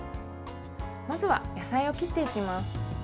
まずは野菜を切っていきます。